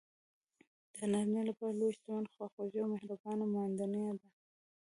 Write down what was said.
د نارینه لپاره لویه شتمني خواخوږې او مهربانه ماندینه ده.